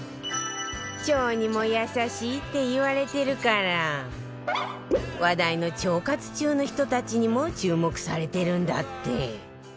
腸にも優しいっていわれてるから話題の腸活中の人たちにも注目されてるんだって